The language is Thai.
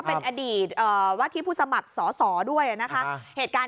เป็นอดีตอ่าวัตถีพูซาบัสสอสอด้วยนะคะนะฮะเหตุการณ์